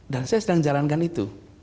dan saya sedang menjalankan itu